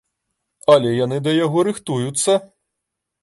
Але яны да яго рыхтуюцца.